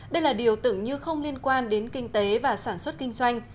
đây là điều tưởng như không liên quan đến kinh tế và sản xuất kinh doanh